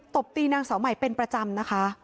ตบตีนางสาวใหม่เป็นประจำนะคะ